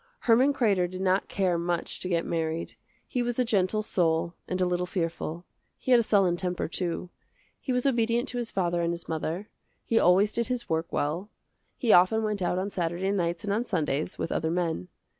Herman Kreder did not care much to get married. He was a gentle soul and a little fearful. He had a sullen temper, too. He was obedient to his father and his mother. He always did his work well. He often went out on Saturday nights and on Sundays, with other men.